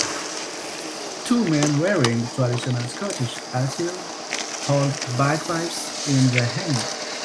Two men wearing traditional Scottish attire, hold bagpipes in their hands.